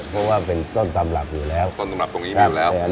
เพราะว่าเป็นต้นตำรับอยู่แล้วต้นตำรับตรงนี้มาอยู่แล้ว